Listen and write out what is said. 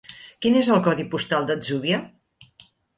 Quin és el codi postal de l'Atzúbia?